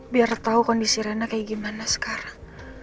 biar tau kondisi reina kayak gimana sekarang